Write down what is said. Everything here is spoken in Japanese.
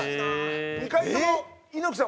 ２回とも猪木さん